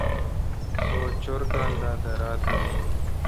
سو چور کال دا دیراتھ این۔